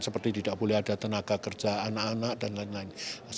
seperti tidak boleh ada tenaga kerja anak anak dan lain lain